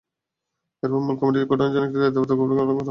এরপর মূল কমিটি গঠনের জন্য একটি দায়িত্বপ্রাপ্ত কমিটি গঠন করা হয়।